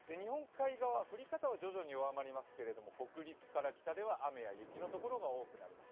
降り方は徐々に弱まりますけど北陸から北は雨や雪のところが多くなります。